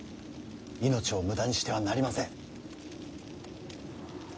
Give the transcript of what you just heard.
命を無駄にしてはなりません。